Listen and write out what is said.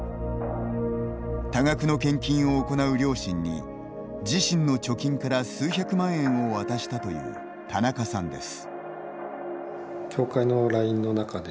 多額の献金を行う両親に自身の貯金から、数百万円を渡したという田中さんです。